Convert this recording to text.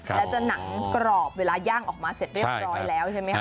แล้วจะหนังกรอบเวลาย่างออกมาเสร็จเรียบร้อยแล้วใช่ไหมคะ